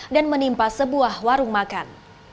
dan menimpa sebuah warung makan